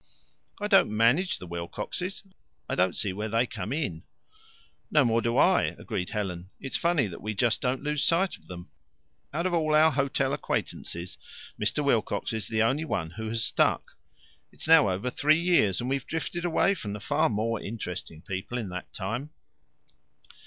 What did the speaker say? "I don't MANAGE the Wilcoxes; I don't see where they come IN." "No more do I," agreed Helen. "It's funny that we just don't lose sight of them. Out of all our hotel acquaintances, Mr. Wilcox is the only one who has stuck. It is now over three years, and we have drifted away from far more interesting people in that time.